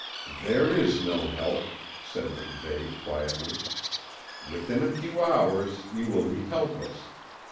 "There is no help," said MacVeigh, quietly. "Within a few hours you will be helpless.